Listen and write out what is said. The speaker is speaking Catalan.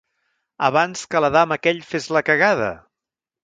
Abans que l'Adam aquell fes la cagada?